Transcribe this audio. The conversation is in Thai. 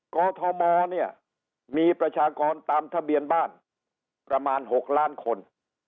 กอทมเนี่ยมีประชากรตามทะเบียนบ้านประมาณ๖ล้านคน